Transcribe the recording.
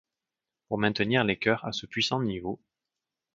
Pour maintenir les coeurs à ce puissant niveau